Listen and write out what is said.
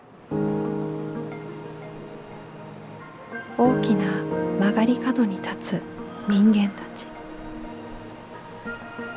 大きな曲がり角に立つ人間たち。